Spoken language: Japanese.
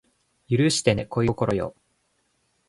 許してね恋心よ